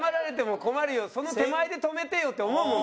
その手前で止めてよって思うもん